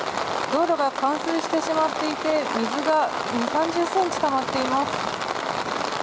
道路が冠水してしまっていて水が２０３０ｃｍたまっています。